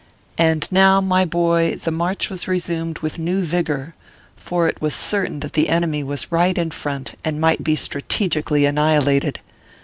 And now, my boy, the march was resumed with new vigor, for it was certain that the enemy was right in front, and might be strategically annihilated.